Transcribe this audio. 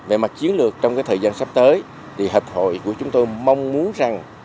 về mặt chiến lược trong thời gian sắp tới thì hợp hội của chúng tôi mong muốn rằng